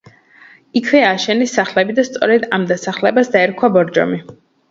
იქვე ააშენეს სახლები და სწორედ ამ დასახლებას დაერქვა ბორჯომი.